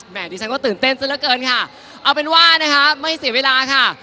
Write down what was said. ดิฉันก็ตื่นเต้นซะละเกินค่ะเอาเป็นว่านะคะไม่เสียเวลาค่ะ